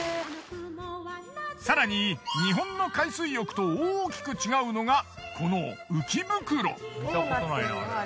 更に日本の海水浴と大きく違うのがこの浮き袋。